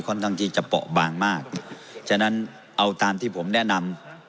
ข้างที่จะเปาะบางมากฉะนั้นเอาตามที่ผมแนะนำ